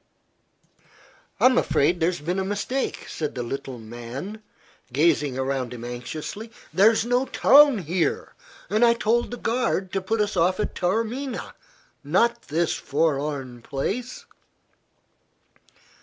"I'm afraid there has been a mistake," said the little man, gazing around him anxiously. "There's no town here, and I told the guard to put us off at Taormina not this forlorn place."